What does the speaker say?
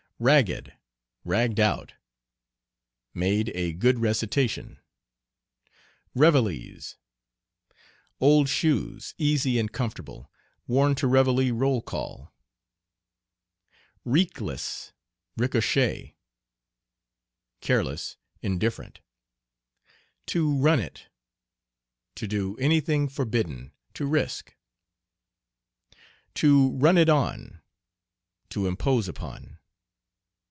"Ragged," "ragged out." Made a good recitation. "Reveilles." Old shoes, easy and comfortable, worn to reveille roll call. "Reekless, ricochet." Careless, indifferent. "To run it." To do any thing forbidden. To risk. "To run it on." To impose upon.